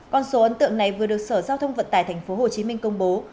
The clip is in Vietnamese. con số ấn tượng này vừa được sở giao thông vận tải tp hcm công bố